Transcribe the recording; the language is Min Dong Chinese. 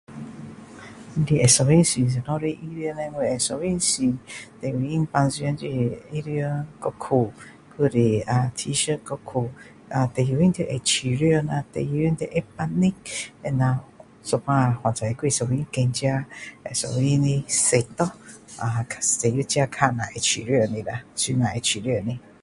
你会兴趣穿什么的衣服叻我会兴趣穿最重要平常就是衣服跟裤就是 T Shirt 跟裤啊最重要会舒服啦最重要会整齐会那有时候还是会选自己会兴趣的色咯啊最重要看下自己会舒服的吗穿会舒服的